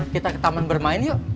kita ke taman bermain yuk